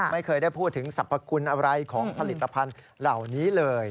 ไม่เคยได้พูดถึงสรรพคุณอะไรของผลิตภัณฑ์เหล่านี้เลย